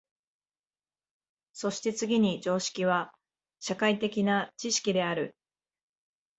そして次に常識は社会的な知識である。